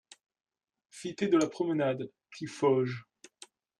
Cité de la Promenade, Tiffauges